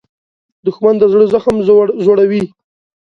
دښمن د زړه زخم زوړوي